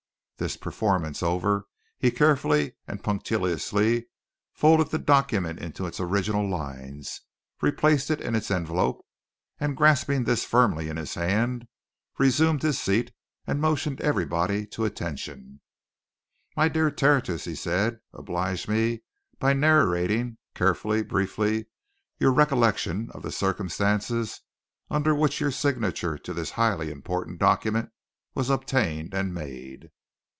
This performance over, he carefully and punctiliously folded the document into its original lines, replaced it in its envelope, and grasping this firmly in his hand, resumed his seat and motioned everybody to attention. "My dear Tertius!" he said. "Oblige me by narrating, carefully, briefly, your recollection of the circumstances under which your signature to this highly important document was obtained and made."